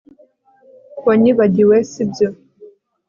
Wanyibagiwe si byo